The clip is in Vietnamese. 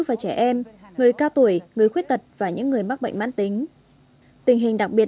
và trẻ em người cao tuổi người khuyết tật và những người mắc bệnh mãn tính tình hình đặc biệt